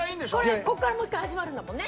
だってここからもう一回始まるんだもんね？